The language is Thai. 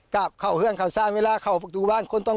กราบเข้าเฮือนเข้าเสียง